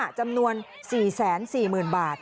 คือต่อจำนวน๔๔๐๐๐๐บาท